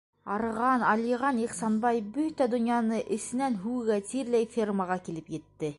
Арыған-алйыған Ихсанбай, бөтә донъяны эсенән һүгә- тиргәй фермаға килеп етте.